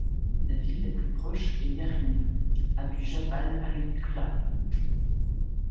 La ville la plus proche est Yarim, à du Jabal al Qullah.